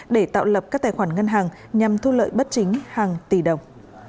để tạo lập các tài khoản ngân hàng nhằm thu lợi bất chính hàng tỷ đồng